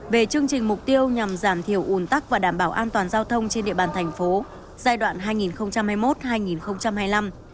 về chương trình mục tiêu nhằm giảm thiểu ủn tắc và đảm bảo an toàn giao thông trên địa bàn thành phố giai đoạn hai nghìn hai mươi một hai nghìn hai mươi năm